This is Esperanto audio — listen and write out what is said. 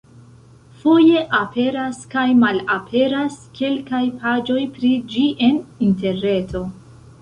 Foje aperas kaj malaperas kelkaj paĝoj pri ĝi en interreto.